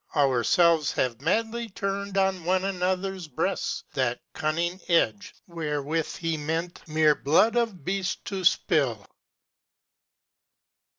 Ourselves have madly turned On one another's breasts that cunning edge Wherewith he meant mere blood of beast to spill.